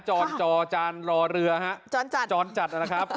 จรจอจานรอเรือฮะจรจัด